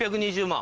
６２０万